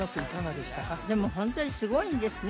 でもホントにすごいんですね